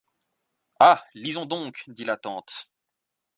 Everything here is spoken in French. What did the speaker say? Ah ! lisons donc ! dit la tante.